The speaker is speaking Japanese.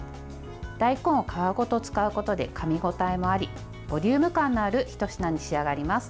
大根を皮ごと使うことでかみ応えもありボリューム感のあるひと品に仕上がります。